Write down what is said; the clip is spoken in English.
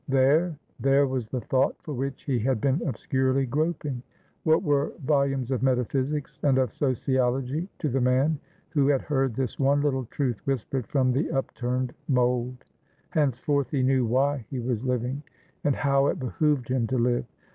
There, there was the thought for which he had been obscurely groping! What were volumes of metaphysics and of sociology to the man who had heard this one little truth whispered from the upturned mould? Henceforth he knew why he was living, and how it behooved him to live.